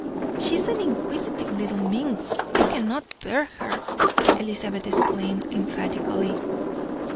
"She is an inquisitive little minx, and I cannot bear her," Elizabeth exclaimed emphatically.